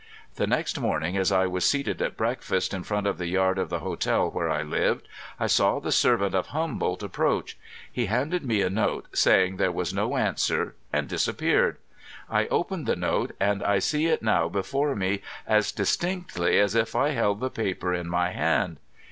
The next morning as I was seated at breakfast in front of the yard of the hotel where I lived, I saw the servant of Humboldt approach. He handed me a note, saying there was no answer and disappeared. I opened the note, and I see it now before me as distinctly as if I held the paper in my hand.